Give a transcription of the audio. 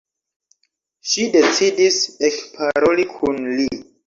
Ŝi decidis ekparoli kun li.